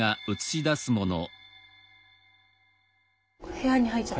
部屋に入っちゃう。